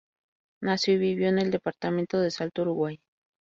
Nació y vivió en el departamento de Salto, Uruguay.